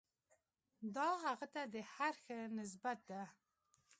دا هغه ته د هر ښه نسبت ده.